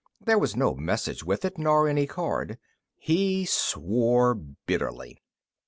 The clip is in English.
There was no message with it, nor any card. He swore bitterly.